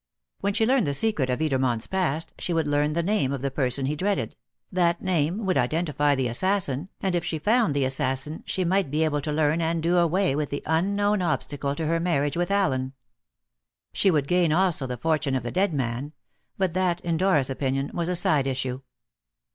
When she learned the secret of Edermont's past, she would learn the name of the person he dreaded; that name would identify the assassin, and if she found the assassin she might be able to learn and do away with the unknown obstacle to her marriage with Allen. She would gain also the fortune of the dead man; but that, in Dora's opinion, was a side issue.